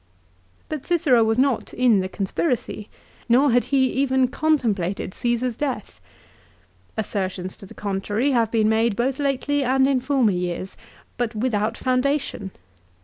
But Cicero was not in the conspiracy, nor had he even contemplated Caesar's death. Assertions to the contrary have been made both lately and in former years, but without foundation.